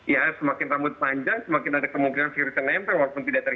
ya semakin rambut panjang semakin ada kemungkinan virus yang nempel walaupun tidak terkira